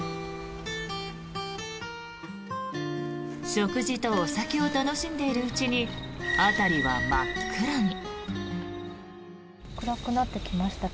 食事とお酒を楽しんでいるうちに辺りは真っ暗に。